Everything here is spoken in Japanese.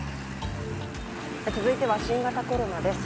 続いては新型コロナです。